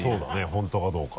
本当かどうか。